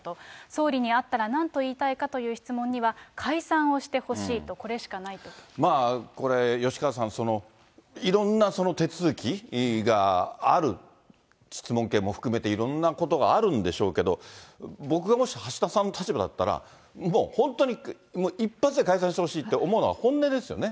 総理に会ったらなんと言いたいかという質問には、解散をしてほし質問権も含めていろんなことがあるんでしょうけど、僕がもし橋田さんの立場だったら、もう本当に一発で解散してほしいって思うのは、本音ですよね。